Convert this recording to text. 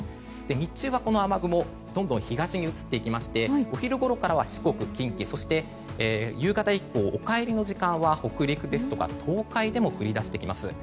日中は、この雨雲東に移っていきましてお昼ごろからは四国、近畿夕方以降、お帰りの時間は北陸や東海でも降り出してきます。